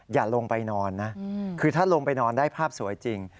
อย่าลงไปนอนนะคือถ้าลงไปนอนได้ภาพสวยจริง